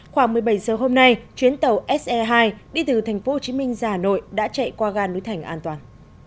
khoảng một mươi bảy giờ hôm nay chuyến tàu se hai đi từ tp hcm ra hà nội đã chạy qua ga núi thành an toàn